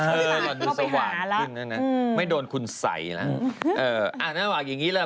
หลอนดูสว่างขึ้นแล้วนะไม่โดนคุณใส่ล่ะเออนั่นหวังอย่างนี้แหละ